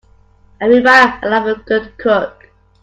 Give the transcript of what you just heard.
We admire and love a good cook.